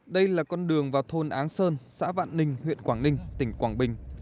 đây là con đường vào thôn áng sơn xã vạn ninh huyện quảng ninh tỉnh quảng bình